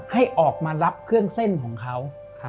ให้ออกมารับเครื่องเส้นของเขา